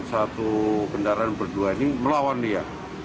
satu kendaraan berdua ini melawan dia